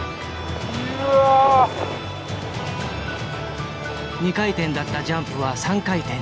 ２回転だったジャンプは３回転に。